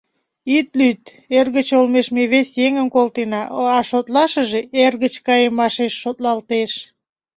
Ит лӱд, эргыч олмеш ме вес еҥым колтена, а шотлашыже — эргыч кайымашеш шотлалтеш.